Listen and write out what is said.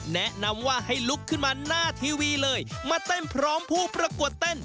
แนะนำว่าให้ลุกขึ้นมาหน้าทีวีเลยมาเต้นพร้อมผู้ประกวดเต้น